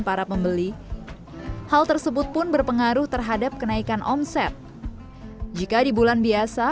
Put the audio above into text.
para pembeli hal tersebut pun berpengaruh terhadap kenaikan omset jika di bulan biasa